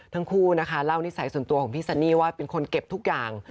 ทั้งคู่นะคะเล่านิสัยส่วนตัวของพี่ซันนี่ว่าเป็นคนเก็บทุกอย่าง